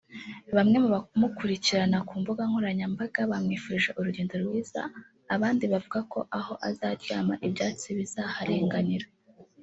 Bamwe mu bamukurikirana ku mbuga nkoranyambaga bamwifurije urugendo rwiza abandi bavuga ko aho azaryama ibyatsi bizaharenganira